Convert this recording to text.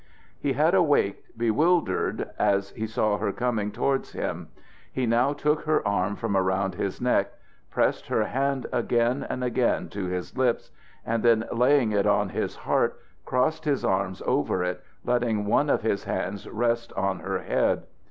He had awaked, bewildered, as he saw her coming towards him. He now took her arm from around his neck, pressed her hand again and again to his lips, and then laying it on his heart crossed his arms over it, letting one of his hands rest on her head.